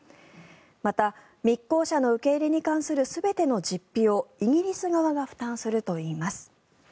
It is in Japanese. また、密航者の受け入れに関する全ての実費をイギリス側が負担するといいます。